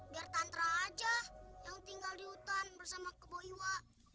biar tantra aja yang tinggal di hutan bersama kebo iwa